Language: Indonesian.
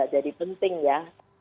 jadi penting ya